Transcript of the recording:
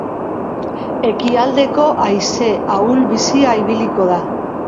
Ekialdeko haize ahul-bizia ibiliko da.